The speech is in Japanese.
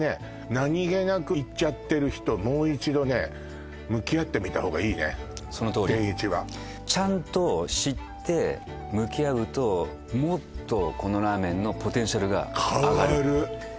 何気なく行っちゃってる人もう一度ね向き合ってみたほうがいいねそのとおり天一はちゃんと知って向き合うともっとこのラーメンのポテンシャルが上がる変わる！